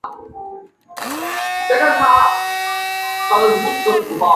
目前联盟号大约每六个月运送太空人上下国际太空站。